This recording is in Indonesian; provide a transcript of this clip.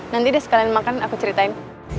nanti deh sekalian makan aku ceritain